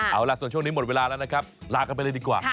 เอาล่ะส่วนช่วงนี้หมดเวลาแล้วนะครับลากันไปเลยดีกว่า